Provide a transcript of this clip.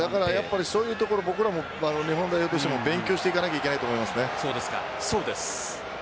そういうところ僕らも日本代表としても勉強しなければいけないと思いますね。